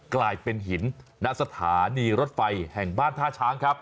กลายเป็นหินณสถานีรถไฟแห่งบ้านท่าช้างครับ